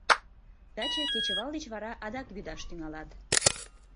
Таче кечывал деч вара адак вӱдаш тӱҥалат.